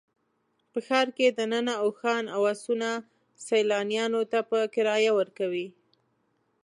په ښار کې دننه اوښان او اسونه سیلانیانو ته په کرایه ورکوي.